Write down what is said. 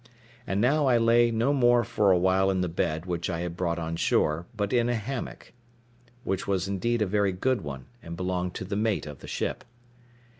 And now I lay no more for a while in the bed which I had brought on shore, but in a hammock, which was indeed a very good one, and belonged to the mate of the ship.